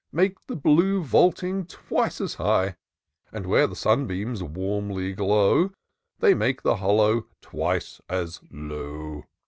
Make the blue vaulting twice as high; 154 TOUR OF DOCTOR SYNTAX And where the sun beams warmly glow. They make the hollow twice as low.